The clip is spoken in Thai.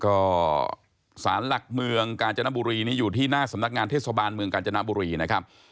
ก็สารหลักเมืองกาญจนบุรีนี้อยู่ที่หน้าสำนักงานเทศบาลเมืองกาญจนบุรีนะครับ